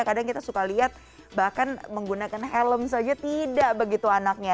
kadang kita suka lihat bahkan menggunakan helm saja tidak begitu anaknya